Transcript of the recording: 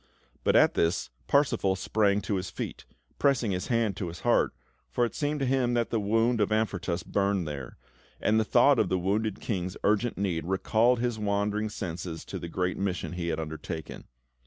But at this, Parsifal sprang to his feet, pressing his hand to his heart, for it seemed to him that the wound of Amfortas burned there; and the thought of the wounded King's urgent need recalled his wandering senses to the great mission he had undertaken.